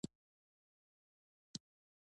هغه کسان هم پکې راتللی شي چې مینه ورسره لرو.